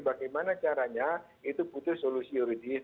bagaimana caranya itu butuh solusi yuridis